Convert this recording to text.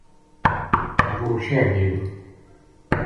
وہ شہر گیو